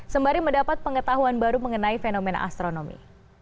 sembari mendapat pengetahuan baru mengenai fenomena astronomi